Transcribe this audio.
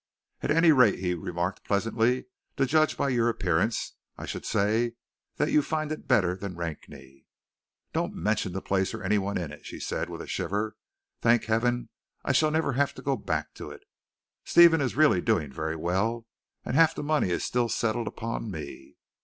"At any rate," he remarked pleasantly, "to judge by your appearance I should say that you find it better than Rakney." "Don't mention the place, or any one in it," she said, with a shiver. "Thank Heaven, I shall never have to go back to it! Stephen is really doing very well, and half the money is still settled upon me.